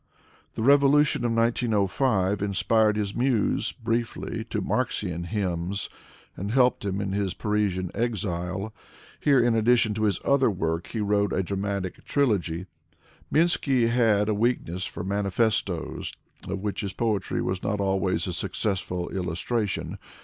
The revolution of 1905 inspired his Muse briefly to Marxian hymns, and helped him to his Parisian exile. Here, in addition to his other work, he wrote a dramatic trilogy. Minsky had a weakness for manifestos, of which his poetry was not always a successful illustration.